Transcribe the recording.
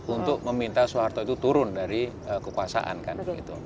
untuk meminta soeharto itu turun dari kekuasaan kan